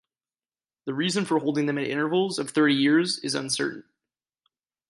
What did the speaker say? The reason for holding them at intervals of thirty years is uncertain.